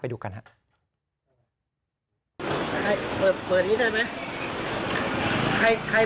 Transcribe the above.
ดูกันครับ